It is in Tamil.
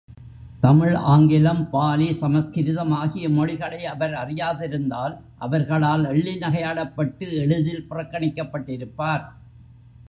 தமிழ், ஆங்கிலம், பாலி, சமஸ்கிருதம் ஆகிய மொழிகளை அவர் அறியாதிருந்தால் அவர்களால் எள்ளி நகையாடப்பட்டு எளிதில் புறக்கணிக்கப்பட்டிருப்பார்.